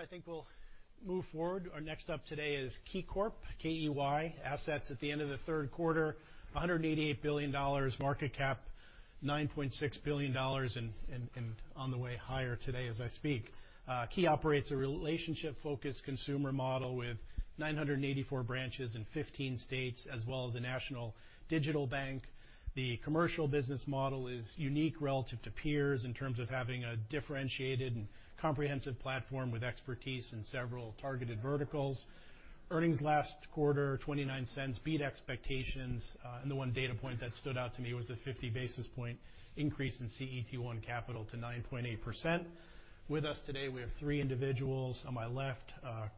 Good afternoon. I think we'll move forward. Our next up today is KeyCorp, KEY. Assets at the end of the third quarter, $188 billion. Market cap, $9.6 billion, and on the way higher today as I speak. Key operates a relationship-focused consumer model with 984 branches in 15 states, as well as a national digital bank. The commercial business model is unique relative to peers in terms of having a differentiated and comprehensive platform with expertise in several targeted verticals. Earnings last quarter, $0.29, beat expectations. And the one data point that stood out to me was the 50 basis point increase in CET1 capital to 9.8%. With us today, we have three individuals. On my left,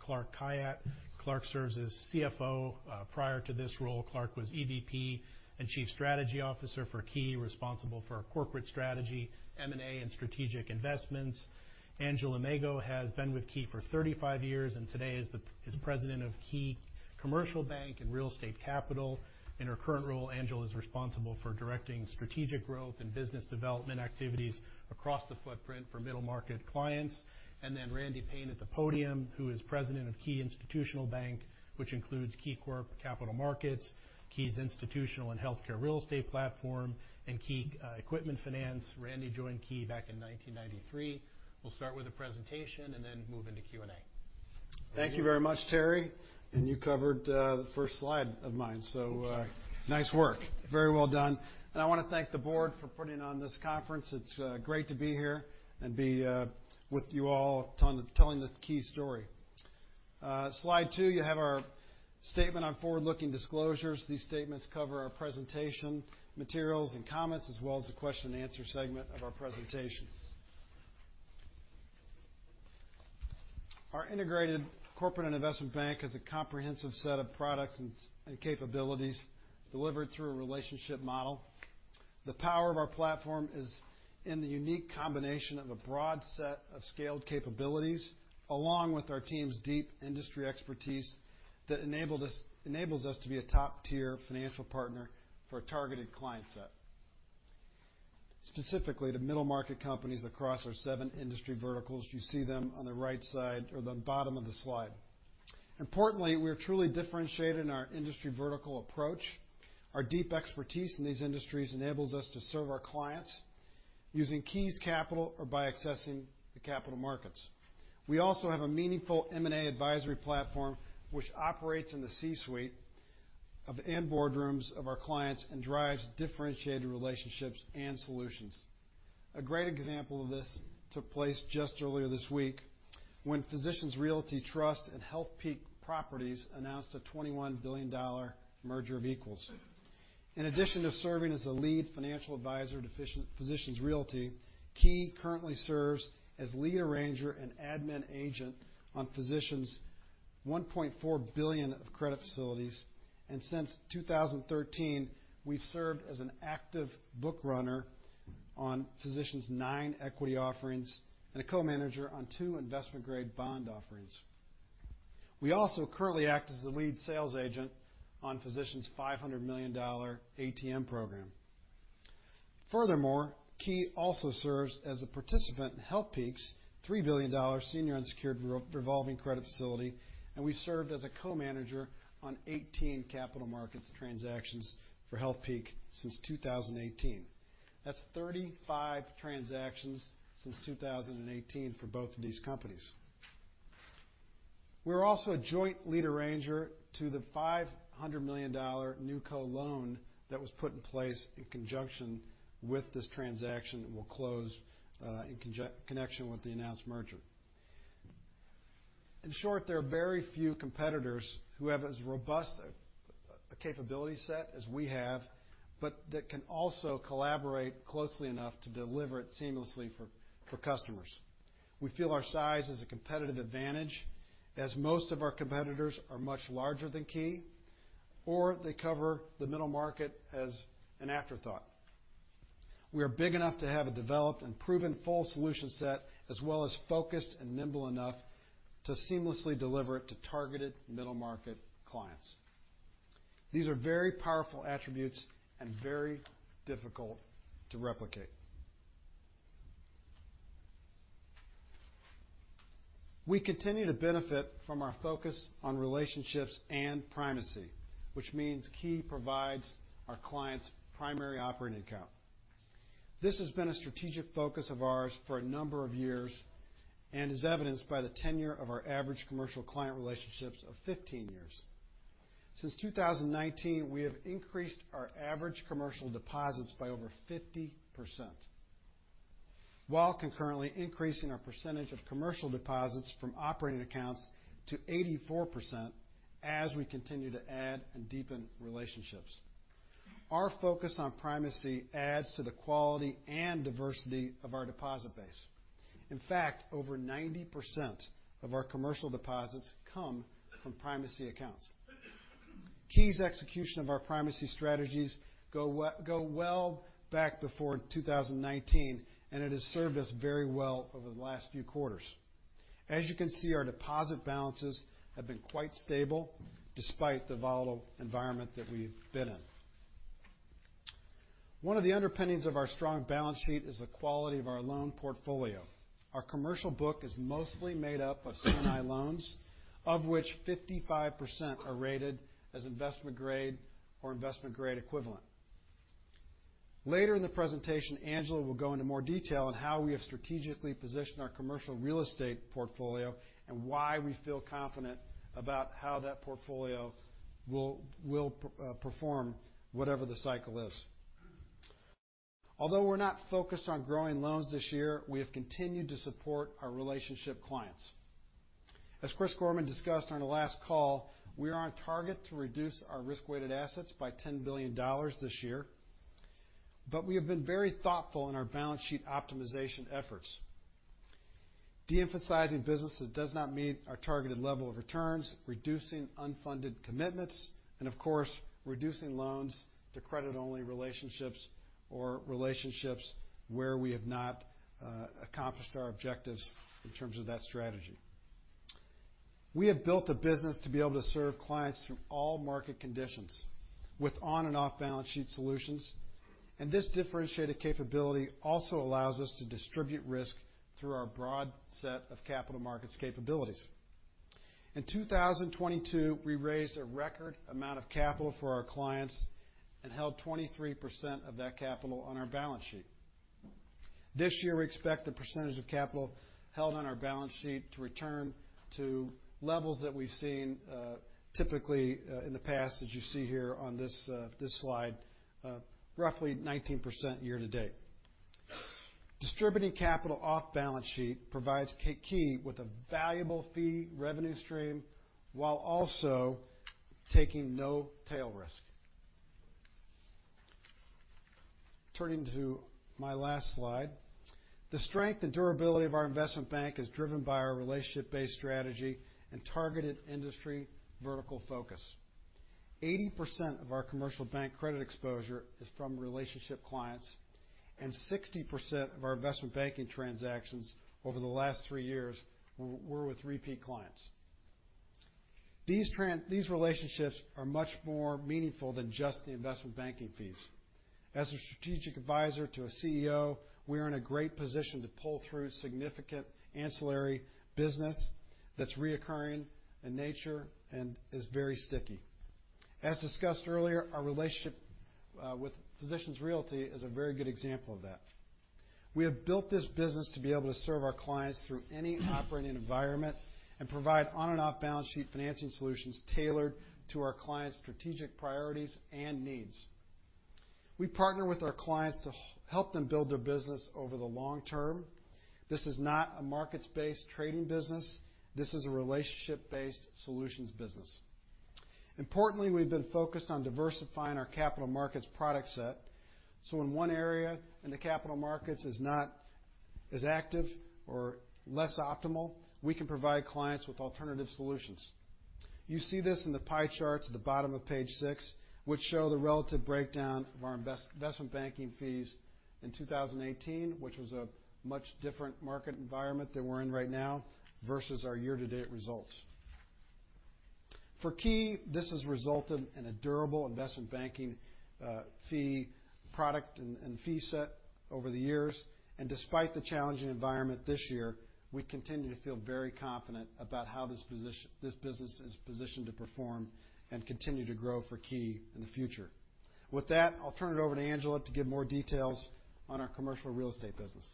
Clark Khayat. Clark serves as CFO. Prior to this role, Clark was EVP and Chief Strategy Officer for Key, responsible for our corporate strategy, M&A, and strategic investments. Angela Mago has been with Key for 35 years, and today is President of Key Commercial Bank and Real Estate Capital. In her current role, Angela is responsible for directing strategic growth and business development activities across the footprint for middle-market clients. Then Randy Paine at the podium, who is president of Key Institutional Bank, which includes KeyCorp Capital Markets, Key's Institutional and Healthcare Real Estate platform, and Key Equipment Finance. Randy joined Key back in 1993. We'll start with a presentation and then move into Q&A. Thank you very much, Terry, and you covered the first slide of mine, so, nice work. Very well done. And I want to thank the board for putting on this conference. It's great to be here and be with you all telling the, telling the Key story. Slide two, you have our statement on forward-looking disclosures. These statements cover our presentation, materials, and comments, as well as the question and answer segment of our presentation. Our integrated corporate and investment bank has a comprehensive set of products and and capabilities delivered through a relationship model. The power of our platform is in the unique combination of a broad set of scaled capabilities, along with our team's deep industry expertise that enables us to be a top-tier financial partner for a targeted client set. Specifically, to middle-market companies across our seven industry verticals. You see them on the right side or the bottom of the slide. Importantly, we are truly differentiated in our industry vertical approach. Our deep expertise in these industries enables us to serve our clients using Key's capital or by accessing the capital markets. We also have a meaningful M&A advisory platform, which operates in the C-suite, and boardrooms of our clients and drives differentiated relationships and solutions. A great example of this took place just earlier this week when Physicians Realty Trust and Healthpeak Properties announced a $21 billion merger of equals. In addition to serving as the lead financial advisor to Physicians Realty, Key currently serves as lead arranger and admin agent on Physicians' $1.4 billion of credit facilities, and since 2013, we've served as an active book runner on Physicians' nine equity offerings and a co-manager on two investment-grade bond offerings. We also currently act as the lead sales agent on Physicians' $500 million ATM program. Furthermore, Key also serves as a participant in Healthpeak's $3 billion senior unsecured revolving credit facility, and we served as a co-manager on 18 capital markets transactions for Healthpeak since 2018. That's 35 transactions since 2018 for both of these companies. We're also a joint lead arranger to the $500 million NewCo loan that was put in place in conjunction with this transaction, and will close in connection with the announced merger. In short, there are very few competitors who have as robust a capability set as we have, but that can also collaborate closely enough to deliver it seamlessly for customers. We feel our size is a competitive advantage, as most of our competitors are much larger than Key, or they cover the middle market as an afterthought. We are big enough to have a developed and proven full solution set, as well as focused and nimble enough to seamlessly deliver it to targeted middle-market clients. These are very powerful attributes and very difficult to replicate. We continue to benefit from our focus on relationships and primacy, which means Key provides our clients' primary operating account. This has been a strategic focus of ours for a number of years and is evidenced by the tenure of our average commercial client relationships of 15 years. Since 2019, we have increased our average commercial deposits by over 50% while concurrently increasing our percentage of commercial deposits from operating accounts to 84% as we continue to add and deepen relationships. Our focus on primacy adds to the quality and diversity of our deposit base. In fact, over 90% of our commercial deposits come from primacy accounts. Key's execution of our primacy strategies go well back before 2019, and it has served us very well over the last few quarters. As you can see, our deposit balances have been quite stable despite the volatile environment that we've been in. One of the underpinnings of our strong balance sheet is the quality of our loan portfolio. Our commercial book is mostly made up of C&I loans, of which 55% are rated as investment-grade or investment-grade equivalent. Later in the presentation, Angela will go into more detail on how we have strategically positioned our commercial real estate portfolio and why we feel confident about how that portfolio will perform whatever the cycle is. Although we're not focused on growing loans this year, we have continued to support our relationship clients. As Chris Gorman discussed on the last call, we are on target to reduce our risk-weighted assets by $10 billion this year. But we have been very thoughtful in our balance sheet optimization efforts. De-emphasizing businesses does not meet our targeted level of returns, reducing unfunded commitments, and of course, reducing loans to credit-only relationships or relationships where we have not accomplished our objectives in terms of that strategy. We have built a business to be able to serve clients through all market conditions, with on- and off-balance sheet solutions, and this differentiated capability also allows us to distribute risk through our broad set of capital markets capabilities. In 2022, we raised a record amount of capital for our clients and held 23% of that capital on our balance sheet. This year, we expect the percentage of capital held on our balance sheet to return to levels that we've seen typically in the past, as you see here on this slide, roughly 19% year to date. Distributing capital off balance sheet provides Key with a valuable fee revenue stream while also taking no tail risk. Turning to my last slide. The strength and durability of our investment bank is driven by our relationship-based strategy and targeted industry vertical focus. 80% of our commercial bank credit exposure is from relationship clients, and 60% of our investment banking transactions over the last three years were with repeat clients. These relationships are much more meaningful than just the investment banking fees. As a strategic advisor to a CEO, we are in a great position to pull through significant ancillary business that's reoccurring in nature and is very sticky. As discussed earlier, our relationship with Physicians Realty is a very good example of that. We have built this business to be able to serve our clients through any operating environment and provide on- and off-balance sheet financing solutions tailored to our clients' strategic priorities and needs. We partner with our clients to help them build their business over the long term. This is not a markets-based trading business. This is a relationship-based solutions business. Importantly, we've been focused on diversifying our capital markets product set, so when one area in the capital markets is not as active or less optimal, we can provide clients with alternative solutions. You see this in the pie charts at the bottom of page six, which show the relative breakdown of our investment banking fees in 2018, which was a much different market environment than we're in right now, versus our year-to-date results. For Key, this has resulted in a durable investment banking, fee product and fee set over the years. Despite the challenging environment this year, we continue to feel very confident about how this position, this business is positioned to perform and continue to grow for Key in the future. With that, I'll turn it over to Angela to give more details on our commercial real estate business.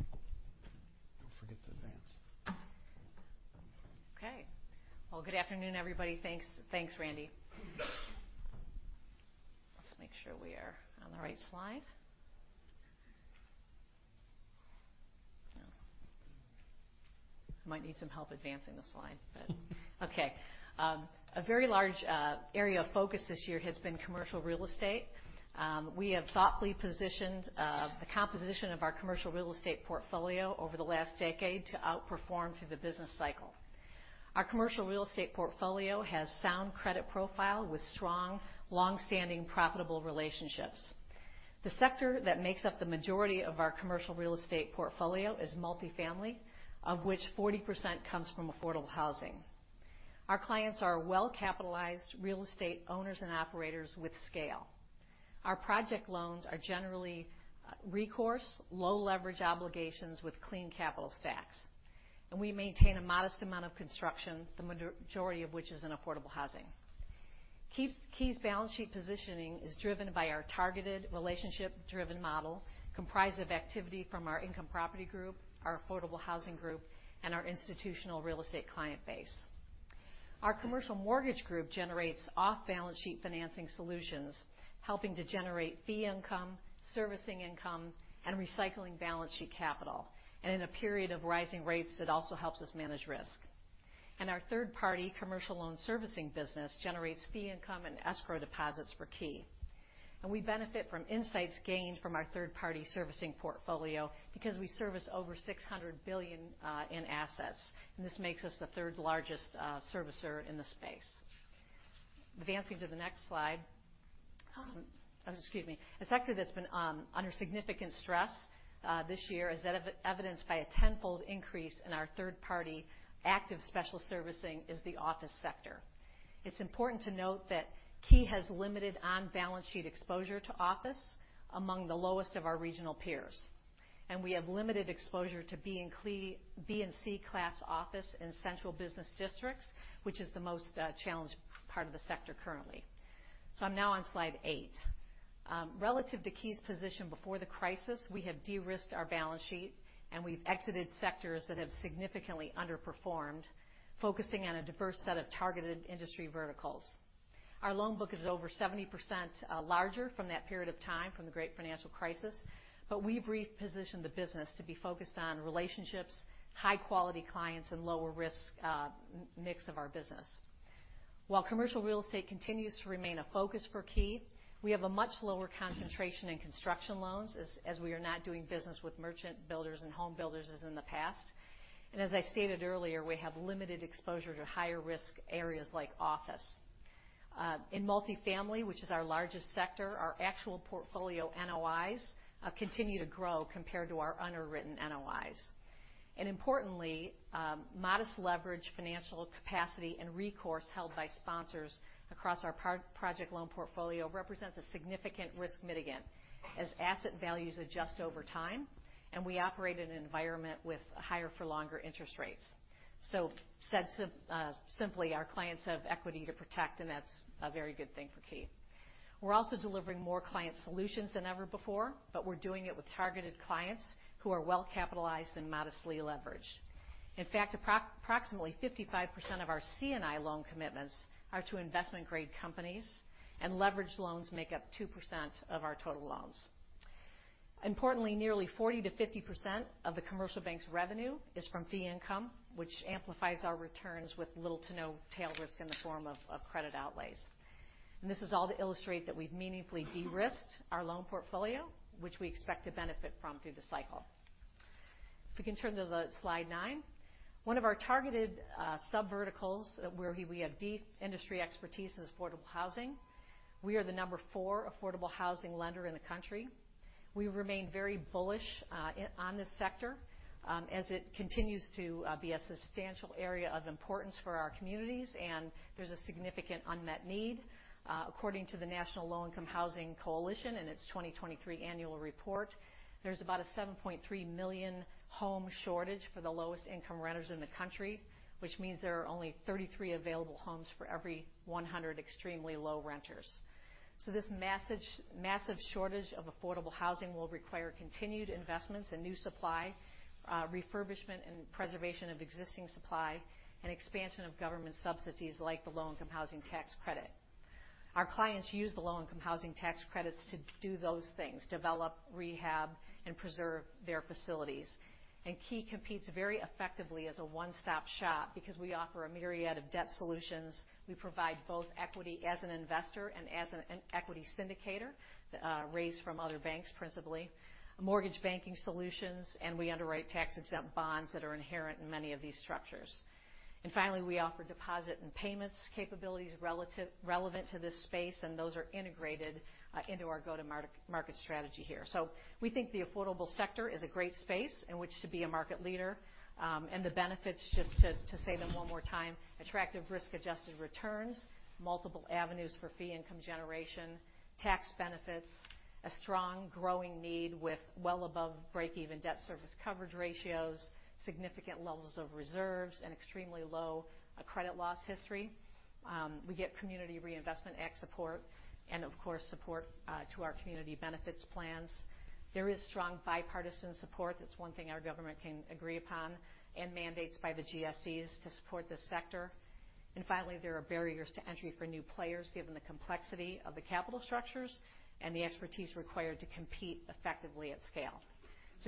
Don't forget to advance. Okay. Well, good afternoon, everybody. Thanks. Thanks, Randy. Let's make sure we are on the right slide. No. I might need some help advancing the slide, but. Okay. A very large area of focus this year has been commercial real estate. We have thoughtfully positioned the composition of our commercial real estate portfolio over the last decade to outperform through the business cycle. Our commercial real estate portfolio has sound credit profile with strong, long-standing, profitable relationships. The sector that makes up the majority of our commercial real estate portfolio is multifamily, of which 40% comes from affordable housing. Our clients are well-capitalized real estate owners and operators with scale. Our project loans are generally recourse, low-leverage obligations with clean capital stacks, and we maintain a modest amount of construction, the majority of which is in affordable housing. Key's balance sheet positioning is driven by our targeted, relationship-driven model, comprised of activity from our income property group, our affordable housing group, and our institutional real estate client base. Our commercial mortgage group generates off-balance sheet financing solutions, helping to generate fee income, servicing income, and recycling balance sheet capital. In a period of rising rates, it also helps us manage risk. Our third-party commercial loan servicing business generates fee income and escrow deposits for Key. We benefit from insights gained from our third-party servicing portfolio because we service over $600 billion in assets, and this makes us the third-largest servicer in the space. Advancing to the next slide. Excuse me. A sector that's been under significant stress this year, as evidenced by a tenfold increase in our third-party active special servicing, is the office sector. It's important to note that Key has limited on-balance sheet exposure to office among the lowest of our regional peers, and we have limited exposure to B and C class office in central business districts, which is the most challenged part of the sector currently. So I'm now on slide eight. Relative to Key's position before the crisis, we have de-risked our balance sheet, and we've exited sectors that have significantly underperformed, focusing on a diverse set of targeted industry verticals. Our loan book is over 70% larger from that period of time, from the great financial crisis, but we've repositioned the business to be focused on relationships, high-quality clients, and lower risk mix of our business. While commercial real estate continues to remain a focus for Key, we have a much lower concentration in construction loans as we are not doing business with merchant builders and home builders as in the past. And as I stated earlier, we have limited exposure to higher risk areas like office. In multifamily, which is our largest sector, our actual portfolio NOIs continue to grow compared to our underwritten NOIs. And importantly, modest leverage, financial capacity, and recourse held by sponsors across our project loan portfolio represents a significant risk mitigant as asset values adjust over time, and we operate in an environment with higher-for-longer interest rates. So, simply, our clients have equity to protect, and that's a very good thing for Key. We're also delivering more client solutions than ever before, but we're doing it with targeted clients who are well-capitalized and modestly leveraged. In fact, approximately 55% of our C&I loan commitments are to investment-grade companies, and leveraged loans make up 2% of our total loans. Importantly, nearly 40%-50% of the commercial bank's revenue is from fee income, which amplifies our returns with little to no tail risk in the form of credit outlays. And this is all to illustrate that we've meaningfully de-risked our loan portfolio, which we expect to benefit from through the cycle. If we can turn to the slide nine. One of our targeted subverticals, where we have deep industry expertise, is affordable housing. We are the number four affordable housing lender in the country. We remain very bullish, in, on this sector, as it continues to be a substantial area of importance for our communities, and there's a significant unmet need. According to the National Low-Income Housing Coalition and its 2023 annual report, there's about a 7.3 million home shortage for the lowest-income renters in the country, which means there are only 33 available homes for every 100 extremely low renters. So this massive, massive shortage of affordable housing will require continued investments and new supply, refurbishment and preservation of existing supply, and expansion of government subsidies, like the Low-Income Housing Tax Credit. Our clients use the Low-Income Housing Tax Credits to do those things: develop, rehab, and preserve their facilities. And Key competes very effectively as a one-stop shop because we offer a myriad of debt solutions. We provide both equity as an investor and as an equity syndicator raised from other banks, principally, mortgage banking solutions, and we underwrite tax-exempt bonds that are inherent in many of these structures. Finally, we offer deposit and payments capabilities relevant to this space, and those are integrated into our go-to-market strategy here. So we think the affordable sector is a great space in which to be a market leader. The benefits, just to say them one more time, attractive risk-adjusted returns, multiple avenues for fee income generation, tax benefits, a strong growing need with well above breakeven debt service coverage ratios, significant levels of reserves, and extremely low credit loss history. We get Community Reinvestment Act support and, of course, support to our community benefits plans. There is strong bipartisan support. That's one thing our government can agree upon, and mandates by the GSEs to support this sector. Finally, there are barriers to entry for new players, given the complexity of the capital structures and the expertise required to compete effectively at scale.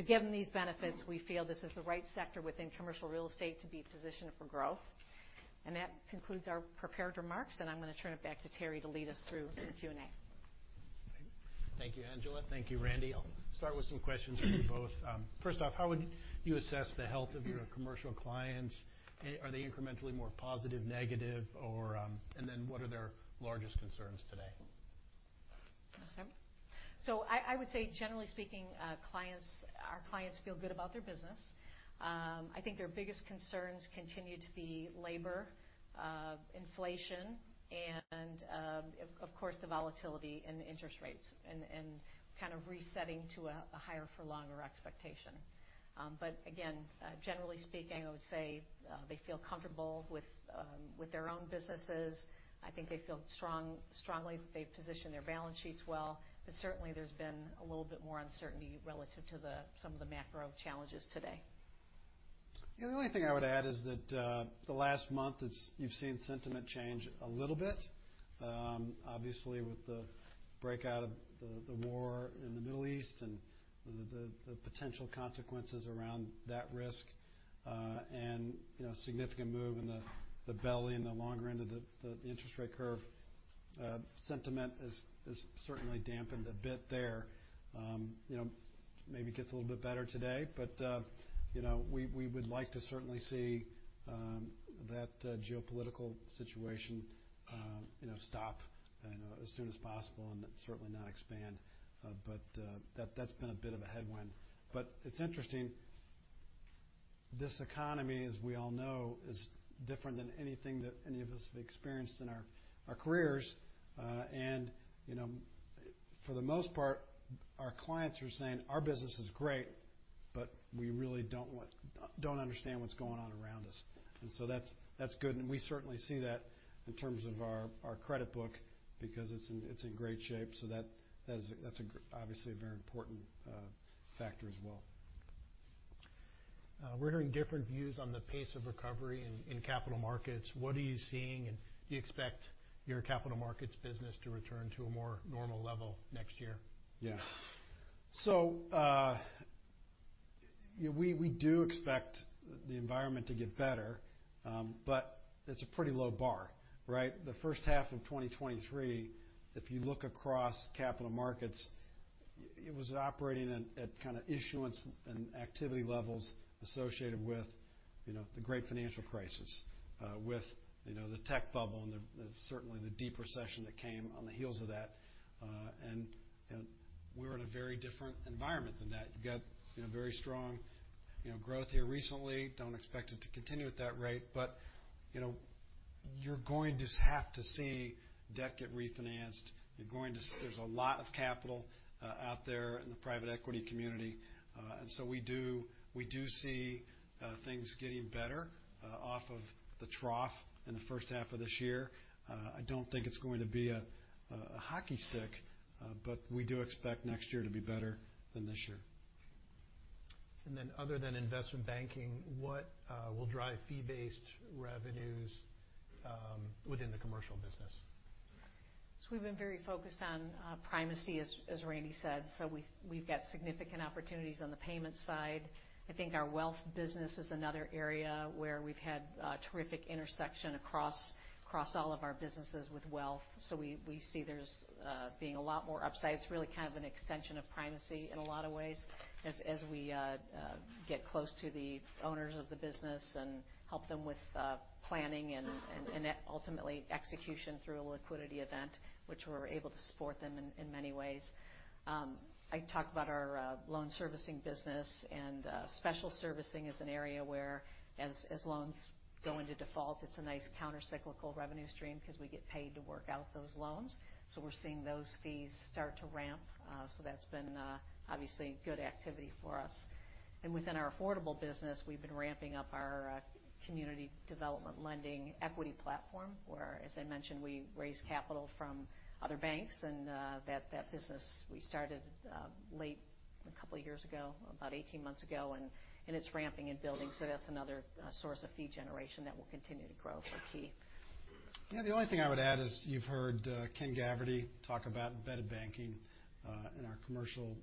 Given these benefits, we feel this is the right sector within commercial real estate to be positioned for growth. That concludes our prepared remarks, and I'm going to turn it back to Terry to lead us through the Q&A. Thank you, Angela. Thank you, Randy. I'll start with some questions for you both. First off, how would you assess the health of your commercial clients? Are they incrementally more positive, negative, or, and then what are their largest concerns today? So I would say, generally speaking, clients, our clients feel good about their business. I think their biggest concerns continue to be labor, inflation, and, of course, the volatility and the interest rates and kind of resetting to a higher for longer expectation. But again, generally speaking, I would say, they feel comfortable with their own businesses. I think they feel strongly they've positioned their balance sheets well. But certainly, there's been a little bit more uncertainty relative to some of the macro challenges today. Yeah, the only thing I would add is that, the last month is you've seen sentiment change a little bit. Obviously, with the breakout of the war in the Middle East and the potential consequences around that risk, and, you know, significant move in the belly and the longer end of the interest rate curve, sentiment is certainly dampened a bit there. You know, maybe gets a little bit better today, but, you know, we would like to certainly see that geopolitical situation, you know, stop as soon as possible and certainly not expand. But, that's been a bit of a headwind. But it's interesting... this economy, as we all know, is different than anything that any of us have experienced in our careers. You know, for the most part, our clients are saying, "Our business is great, but we really don't understand what's going on around us." So that's good, and we certainly see that in terms of our credit book, because it's in great shape, so that is obviously a very important factor as well. We're hearing different views on the pace of recovery in capital markets. What are you seeing, and do you expect your capital markets business to return to a more normal level next year? Yeah. So, we do expect the environment to get better, but it's a pretty low bar, right? The first half of 2023, if you look across capital markets, it was operating at kind of issuance and activity levels associated with, you know, the great financial crisis, with, you know, the tech bubble and the certainly the deep recession that came on the heels of that. And we're in a very different environment than that. You've got, you know, very strong, you know, growth here recently. Don't expect it to continue at that rate, but, you know, you're going to have to see debt get refinanced. You're going to see. There's a lot of capital out there in the private equity community, and so we do, we do see things getting better off of the trough in the first half of this year. I don't think it's going to be a hockey stick, but we do expect next year to be better than this year. Other than investment banking, what will drive fee-based revenues within the commercial business? So we've been very focused on primacy, as Randy said, so we've got significant opportunities on the payments side. I think our wealth business is another area where we've had terrific intersection across all of our businesses with wealth. So we see there's being a lot more upside. It's really kind of an extension of primacy in a lot of ways as we get close to the owners of the business and help them with planning and ultimately execution through a liquidity event, which we're able to support them in many ways. I talked about our loan servicing business, and special servicing is an area where as loans go into default, it's a nice countercyclical revenue stream because we get paid to work out those loans. So we're seeing those fees start to ramp. So that's been obviously good activity for us. Within our affordable business, we've been ramping up our community development lending equity platform, where, as I mentioned, we raise capital from other banks, and that business we started late a couple of years ago, about 18 months ago, and it's ramping and building. So that's another source of fee generation that will continue to grow for Key. Yeah, the only thing I would add is you've heard Ken Gavrity talk about embedded banking in our commercial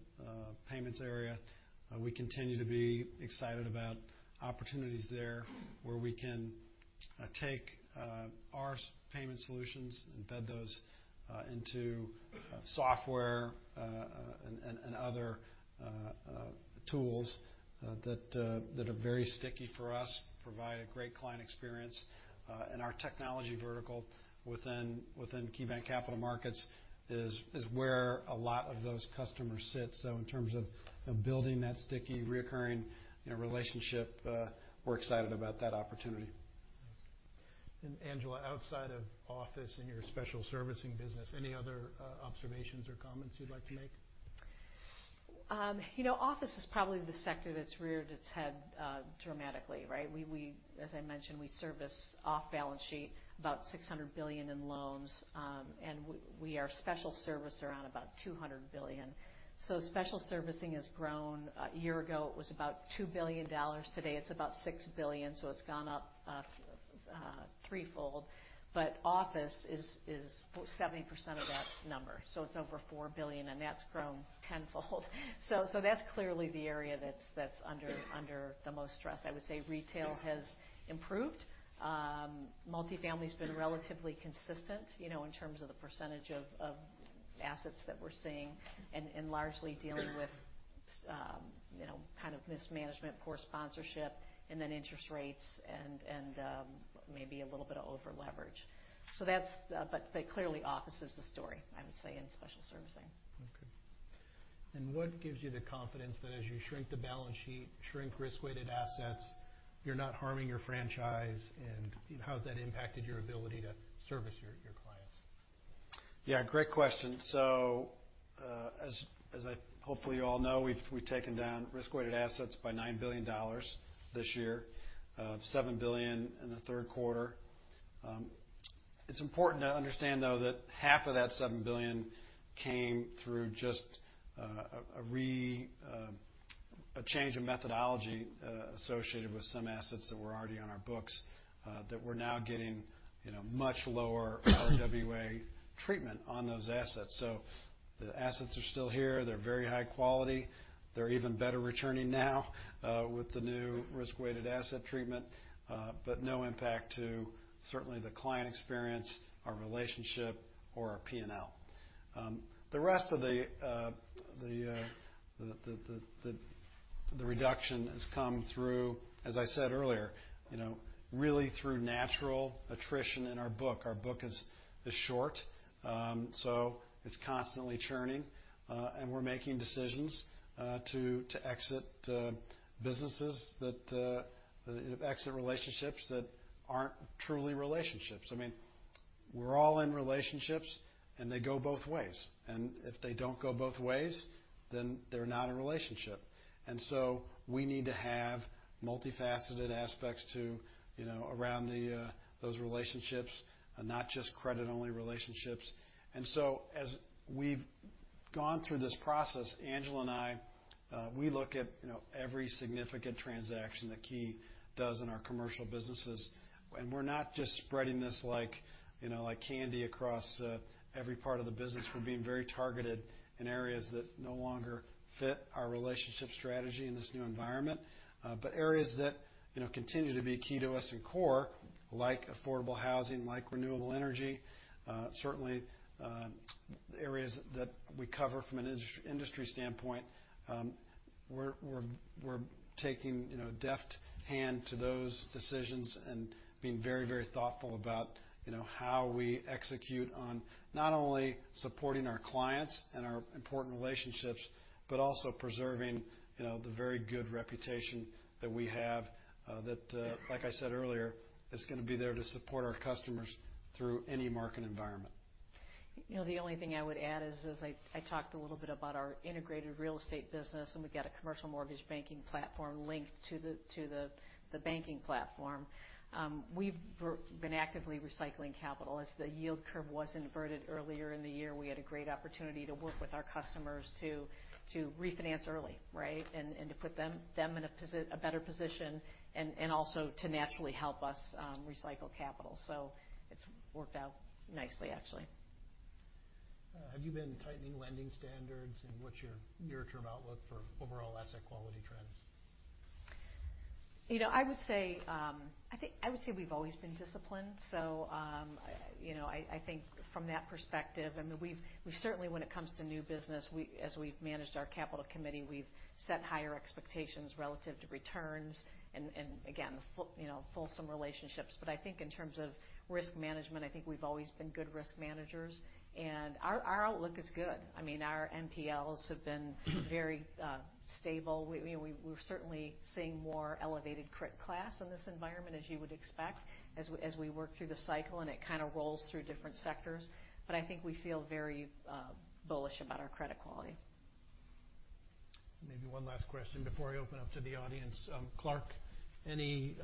payments area. We continue to be excited about opportunities there, where we can take our payment solutions, embed those into software and other tools that are very sticky for us, provide a great client experience. And our technology vertical within KeyBanc Capital Markets is where a lot of those customers sit. So in terms of building that sticky, recurring, you know, relationship, we're excited about that opportunity. Angela, outside of office and your special servicing business, any other observations or comments you'd like to make? You know, office is probably the sector that's reared its head, dramatically, right? We, as I mentioned, we service off balance sheet about $600 billion in loans, and we are special servicing around about $200 billion. So special servicing has grown. A year ago, it was about $2 billion. Today, it's about $6 billion, so it's gone up, threefold. But office is 70% of that number, so it's over $4 billion, and that's grown tenfold. So that's clearly the area that's under the most stress. I would say, retail has improved. Multifamily's been relatively consistent, you know, in terms of the percentage of assets that we're seeing and largely dealing with, you know, kind of mismanagement, poor sponsorship, and then interest rates and maybe a little bit of overleverage. So that's. But clearly, office is the story, I would say, in special servicing. Okay. And what gives you the confidence that as you shrink the balance sheet, shrink risk-weighted assets, you're not harming your franchise, and how has that impacted your ability to service your, your clients? Yeah, great question. So, as I hopefully you all know, we've taken down risk-weighted assets by $9 billion this year, $7 billion in the third quarter. It's important to understand, though, that half of that $7 billion came through just a change in methodology associated with some assets that were already on our books, that we're now getting, you know, much lower RWA treatment on those assets. So the assets are still here. They're very high quality. They're even better returning now with the new risk-weighted asset treatment, but no impact to certainly the client experience, our relationship, or our P&L. The rest of the reduction has come through, as I said earlier, you know, really through natural attrition in our book. Our book is the short, so it's constantly churning, and we're making decisions to exit businesses that exit relationships that aren't truly relationships. I mean, we're all in relationships, and they go both ways. And if they don't go both ways, then they're not a relationship. And so we need to have multifaceted aspects to, you know, around the those relationships, and not just credit-only relationships. And so as we've gone through this process, Angela and I, we look at, you know, every significant transaction that Key does in our commercial businesses. And we're not just spreading this like, you know, like candy across every part of the business. We're being very targeted in areas that no longer fit our relationship strategy in this new environment. But areas that, you know, continue to be key to us in core, like affordable housing, like renewable energy, certainly, areas that we cover from an industry standpoint, we're taking, you know, deft hand to those decisions and being very, very thoughtful about, you know, how we execute on not only supporting our clients and our important relationships, but also preserving, you know, the very good reputation that we have, that, like I said earlier, is gonna be there to support our customers through any market environment. You know, the only thing I would add is, as I talked a little bit about our integrated real estate business, and we've got a commercial mortgage banking platform linked to the banking platform. We've been actively recycling capital. As the yield curve was inverted earlier in the year, we had a great opportunity to work with our customers to refinance early, right? And to put them in a better position, and also to naturally help us recycle capital. So it's worked out nicely, actually. Have you been tightening lending standards, and what's your near-term outlook for overall asset quality trends? You know, I would say, I think I would say we've always been disciplined, so, you know, I, I think from that perspective, I mean, we've, we've certainly when it comes to new business, we as we've managed our capital committee, we've set higher expectations relative to returns and, and again, you know, fulsome relationships. But I think in terms of risk management, I think we've always been good risk managers, and our, our outlook is good. I mean, our NPLs have been very, stable. We, we, we're certainly seeing more elevated crit class in this environment, as you would expect, as we work through the cycle, and it kind of rolls through different sectors. But I think we feel very, bullish about our credit quality. Maybe one last question before I open up to the audience. Clark, any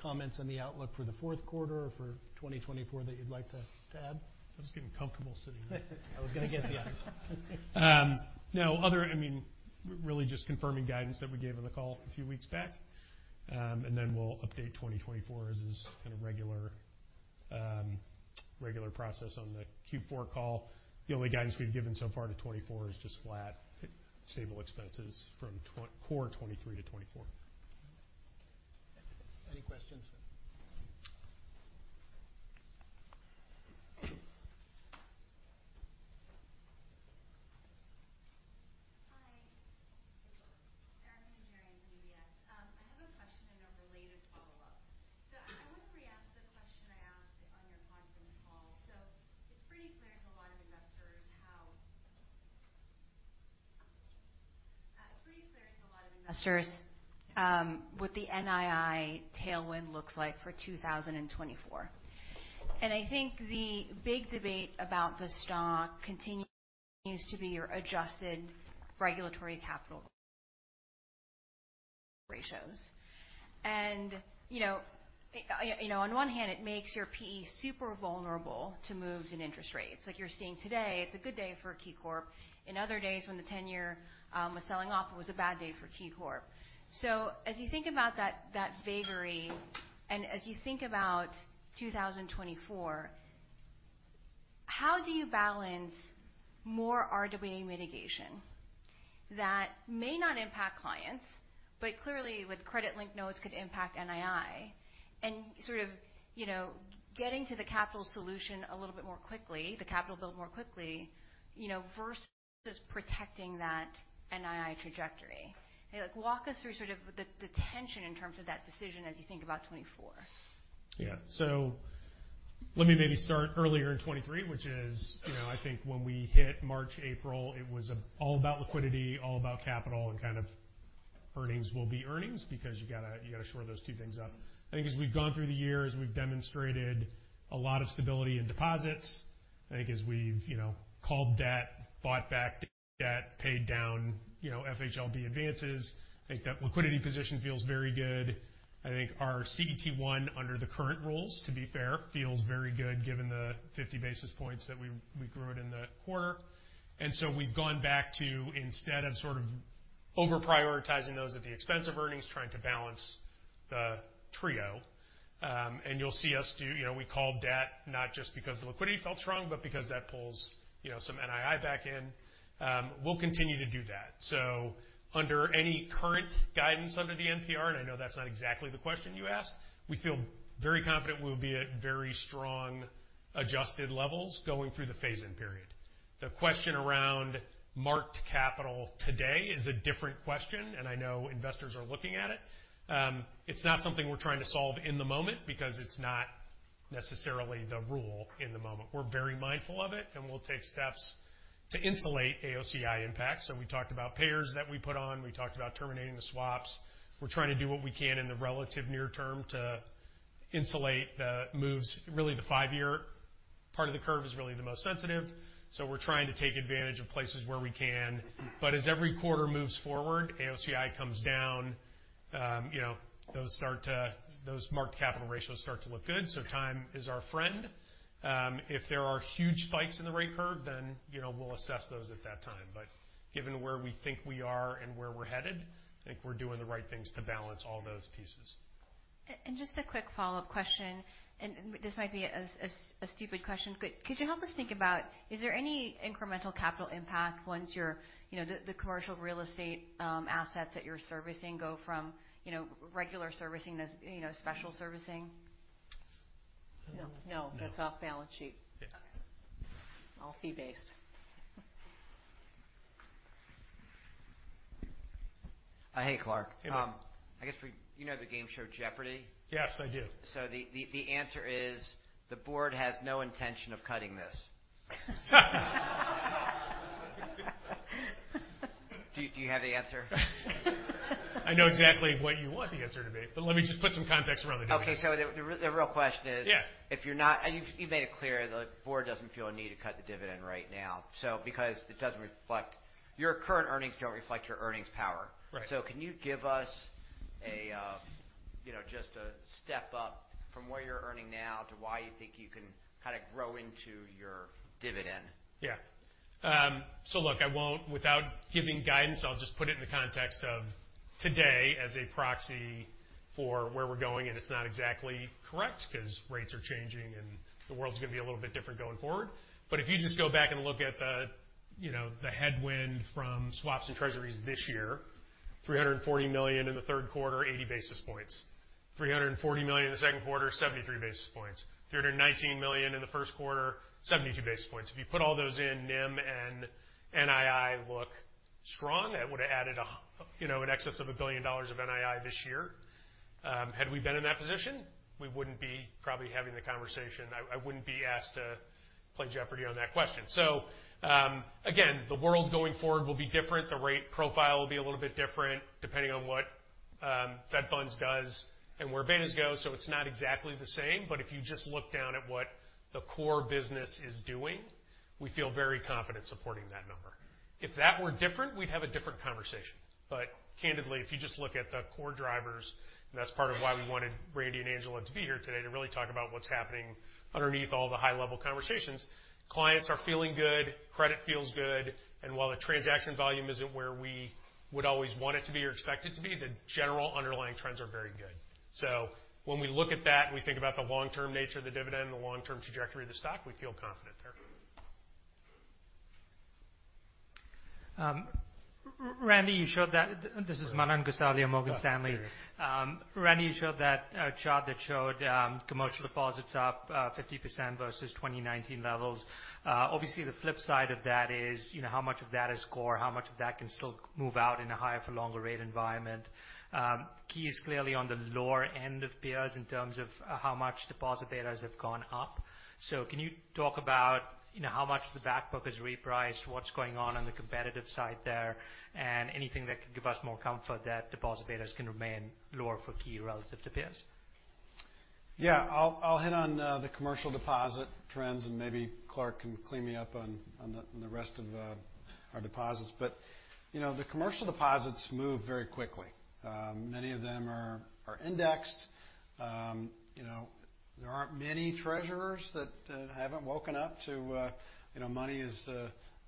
comments on the outlook for the fourth quarter or for 2024 that you'd like to, to add? I was getting comfortable sitting here. I was going to get there. No other... I mean, really just confirming guidance that we gave on the call a few weeks back. And then we'll update 2024 as is kind of regular process on the Q4 call. The only guidance we've given so far to 2024 is just flat, stable expenses from core 2023 to 2024. Any questions? Hi. Erika Najarian, UBS. I have a question and a related follow-up. So I want to re-ask the question I asked on your conference call. So it's pretty clear to a lot of investors, it's pretty clear to a lot of investors, what the NII tailwind looks like for 2024. And I think the big debate about the stock continues to be your adjusted regulatory capital ratios. And, you know, you know, on one hand, it makes your PE super vulnerable to moves in interest rates. Like you're seeing today, it's a good day for KeyCorp. In other days, when the 10-year was selling off, it was a bad day for KeyCorp. So as you think about that, that vagary, and as you think about 2024, how do you balance more RWA mitigation that may not impact clients, but clearly, with credit link notes, could impact NII? And sort of, you know, getting to the capital solution a little bit more quickly, the capital build more quickly, you know, versus protecting that NII trajectory. Like, walk us through sort of the, the tension in terms of that decision as you think about 2024. Yeah. So let me maybe start earlier in 2023, which is, you know, I think when we hit March, April, it was all about liquidity, all about capital, and kind of earnings will be earnings because you got to, you got to shore those two things up. I think as we've gone through the year, as we've demonstrated a lot of stability in deposits, I think as we've, you know, called debt, bought back debt, paid down, you know, FHLB advances, I think that liquidity position feels very good. I think our CET1, under the current rules, to be fair, feels very good, given the 50 basis points that we, we grew it in the quarter. And so we've gone back to, instead of sort of over-prioritizing those at the expense of earnings, trying to balance the trio. And you'll see us do, you know, we call debt not just because the liquidity felt strong, but because that pulls, you know, some NII back in. We'll continue to do that. So under any current guidance under the NPR, and I know that's not exactly the question you asked, we feel very confident we'll be at very strong adjusted levels going through the phase-in period. The question around marked capital today is a different question, and I know investors are looking at it. It's not something we're trying to solve in the moment because it's not necessarily the rule in the moment. We're very mindful of it, and we'll take steps to insulate AOCI impacts. So we talked about pairs that we put on. We talked about terminating the swaps. We're trying to do what we can in the relative near term to insulate the moves, really, the five-year part of the curve is really the most sensitive, so we're trying to take advantage of places where we can. But as every quarter moves forward, AOCI comes down, you know, those marked capital ratios start to look good, so time is our friend. If there are huge spikes in the rate curve, then, you know, we'll assess those at that time. But given where we think we are and where we're headed, I think we're doing the right things to balance all those pieces. Just a quick follow-up question, and this might be a stupid question. Could you help us think about, is there any incremental capital impact once your, you know, the commercial real estate assets that you're servicing go from, you know, regular servicing to, you know, special servicing? No. No. No. That's off balance sheet. Yeah. All fee-based. Hey, Clark. Hey. I guess we, you know the game show Jeopardy!? Yes, I do. So the answer is, the board has no intention of cutting this. Do you have the answer? I know exactly what you want the answer to be, but let me just put some context around the answer. Okay, so the real question is- Yeah. If you're not. And you've made it clear, the board doesn't feel a need to cut the dividend right now, so because it doesn't reflect—your current earnings don't reflect your earnings power. Right. Can you give us a, you know, just a step up from what you're earning now to why you think you can kind of grow into your dividend? Yeah. So look, I won't, without giving guidance, I'll just put it in the context of today as a proxy for where we're going, and it's not exactly correct because rates are changing and the world's going to be a little bit different going forward. But if you just go back and look at the, you know, the headwind from swaps and treasuries this year, $340 million in the third quarter, 80 basis points. $340 million in the second quarter, 73 basis points. $319 million in the first quarter, 72 basis points. If you put all those in, NIM and NII look strong, that would've added, you know, in excess of $1 billion of NII this year. Had we been in that position, we wouldn't be probably having the conversation. I wouldn't be asked to play Jeopardy! on that question. So, again, the world going forward will be different. The rate profile will be a little bit different, depending on what Fed Funds does and where betas go, so it's not exactly the same. But if you just look down at what the core business is doing, we feel very confident supporting that number. If that were different, we'd have a different conversation. But candidly, if you just look at the core drivers, and that's part of why we wanted Randy and Angela to be here today, to really talk about what's happening underneath all the high-level conversations. Clients are feeling good, credit feels good, and while the transaction volume isn't where we would always want it to be or expect it to be, the general underlying trends are very good. When we look at that, we think about the long-term nature of the dividend and the long-term trajectory of the stock, we feel confident there. Randy, you showed that, This is Manan Gosalia, Morgan Stanley. Ah, very good. Randy, you showed that chart that showed commercial deposits up 50% versus 2019 levels. Obviously, the flip side of that is, you know, how much of that is core, how much of that can still move out in a higher for longer rate environment. Key is clearly on the lower end of peers in terms of how much deposit betas have gone up. So can you talk about, you know, how much of the back book is repriced, what's going on on the competitive side there, and anything that could give us more comfort that deposit betas can remain lower for Key relative to peers? Yeah. I'll hit on the commercial deposit trends, and maybe Clark can clean me up on the rest of our deposits. But, you know, the commercial deposits move very quickly. Many of them are indexed. You know, there aren't many treasurers that haven't woken up to, you know, money is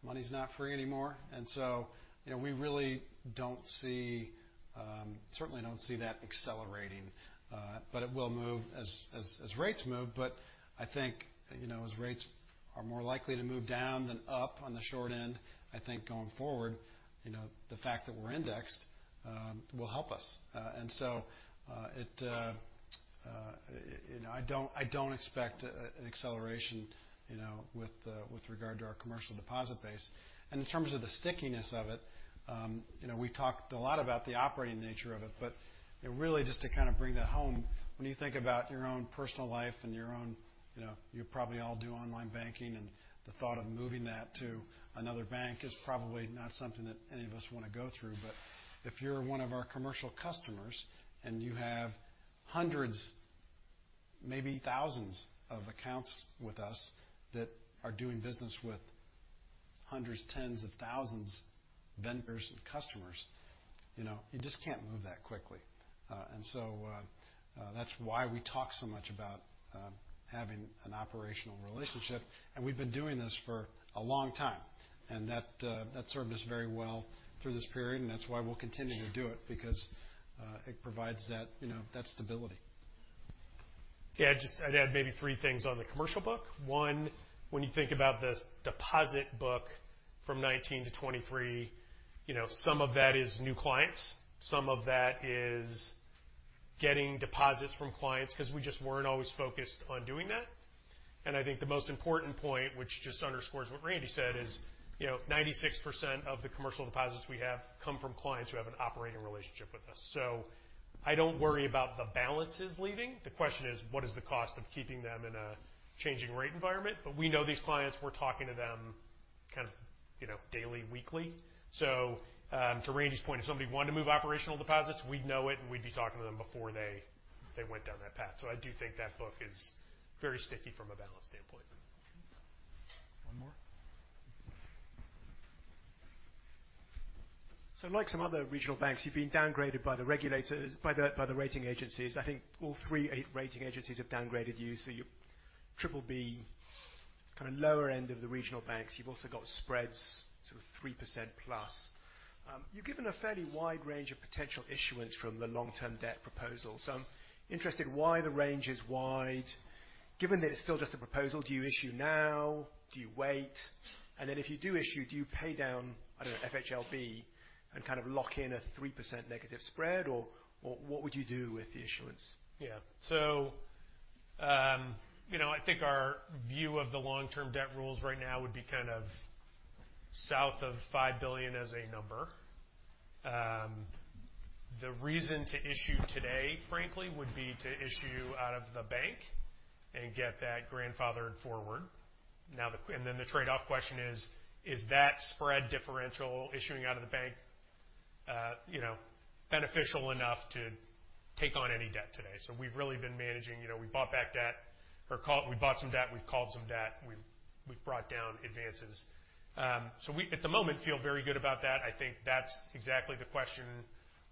money's not free anymore. And so, you know, we really don't see, certainly don't see that accelerating, but it will move as rates move. But I think, you know, as rates are more likely to move down than up on the short end, I think going forward, you know, the fact that we're indexed will help us. And so, you know, I don't expect an acceleration, you know, with regard to our commercial deposit base. And in terms of the stickiness of it, you know, we talked a lot about the operating nature of it, but, you know, really just to kind of bring that home, when you think about your own personal life and your own, you know, you probably all do online banking, and the thought of moving that to another bank is probably not something that any of us want to go through. But if you're one of our commercial customers, and you have hundreds, maybe thousands of accounts with us that are doing business with hundreds, tens of thousands, vendors, and customers, you know, you just can't move that quickly. And so, that's why we talk so much about having an operational relationship, and we've been doing this for a long time. And that served us very well through this period, and that's why we'll continue to do it, because it provides that, you know, that stability. Yeah, just, I'd add maybe three things on the commercial book. One, when you think about the deposit book from 2019 to 2023, you know, some of that is new clients, some of that is getting deposits from clients, 'cause we just weren't always focused on doing that. And I think the most important point, which just underscores what Randy said, is, you know, 96% of the commercial deposits we have come from clients who have an operating relationship with us. So I don't worry about the balances leaving. The question is: What is the cost of keeping them in a changing rate environment? But we know these clients, we're talking to them, kind of, you know, daily, weekly. So, to Randy's point, if somebody wanted to move operational deposits, we'd know it, and we'd be talking to them before they went down that path. I do think that book is very sticky from a balance standpoint. One more? So like some other regional banks, you've been downgraded by the regulators, by the rating agencies. I think all three, eight rating agencies have downgraded you, so you're triple B, kind of lower end of the regional banks. You've also got spreads to 3% plus. You've given a fairly wide range of potential issuance from the long-term debt proposal. So I'm interested why the range is wide, given that it's still just a proposal, do you issue now? Do you wait? And then if you do issue, do you pay down, I don't know, FHLB and kind of lock in a 3% negative spread, or what would you do with the issuance? Yeah. So, you know, I think our view of the long-term debt rules right now would be kind of south of $5 billion as a number. The reason to issue today, frankly, would be to issue out of the bank and get that grandfathered forward. Now, the- And then the trade-off question is: Is that spread differential issuing out of the bank, you know, beneficial enough to take on any debt today? So we've really been managing. You know, we bought back debt or we bought some debt, we've called some debt, we've brought down advances. So we, at the moment, feel very good about that. I think that's exactly the question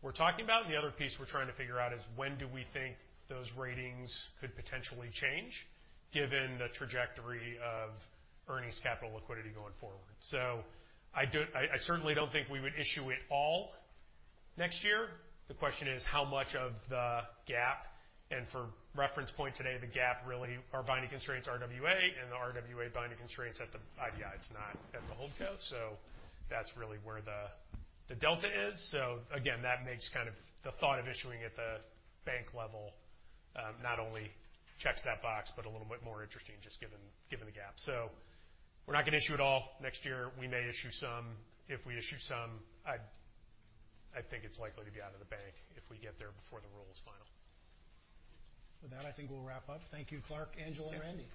we're talking about. And the other piece we're trying to figure out is when do we think those ratings could potentially change, given the trajectory of earnings capital liquidity going forward? So I, I certainly don't think we would issue it all next year. The question is, how much of the gap? And for reference point today, the gap really, our binding constraints are RWA, and the RWA binding constraints at the IDI, it's not at the hold co. So that's really where the delta is. So again, that makes kind of the thought of issuing at the bank level, not only checks that box, but a little bit more interesting, just given the gap. So we're not going to issue at all next year. We may issue some. If we issue some, I, I think it's likely to be out of the bank if we get there before the rule is final. With that, I think we'll wrap up. Thank you, Clark, Angela, and Randy.